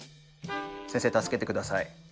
先生助けて下さい。